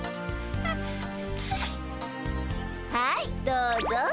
はいどうぞ。